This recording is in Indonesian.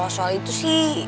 soal itu sih